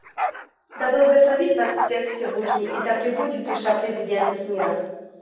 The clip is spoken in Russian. Да благословит вас всех Всевышний, и да пребудет душа президента с миром.